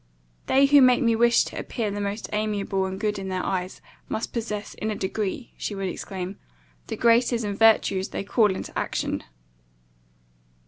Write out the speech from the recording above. "They who make me wish to appear the most amiable and good in their eyes, must possess in a degree," she would exclaim, "the graces and virtues they call into action."